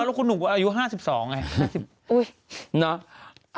แล้วคุณหนูอายุ๕๒ไง